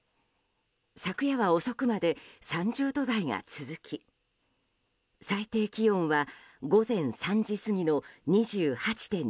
昨夜は遅くまで３０度台が続き最低気温は午前３時過ぎの２８．２度。